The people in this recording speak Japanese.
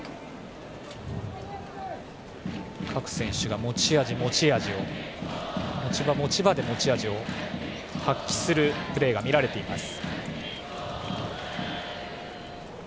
各選手が持ち場、持ち場で持ち味を発揮するプレーが見られています。